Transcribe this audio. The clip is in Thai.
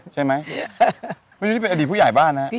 นี่เป็นอดีตผู้ใหญ่บ้านครับ